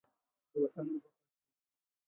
د وطن اوبه خوږې دي.